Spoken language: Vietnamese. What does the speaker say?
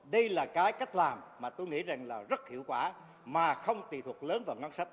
đây là cái cách làm mà tôi nghĩ rằng là rất hiệu quả mà không tùy thuộc lớn vào ngân sách